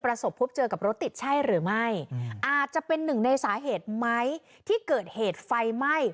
พบเจอกับรถติดใช่หรือไม่อาจจะเป็นหนึ่งในสาเหตุไหมที่เกิดเหตุไฟไหม้